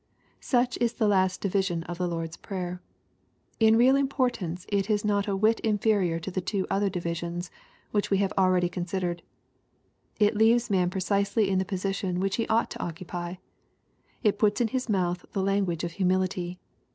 Such is the last division of the Lord's Prayer. In real importance it is not a whit inferior to the two other divisions, which we have already considered. It leaves man precisely in the position which he ought to occupy. It puts in his mouth the language of humility.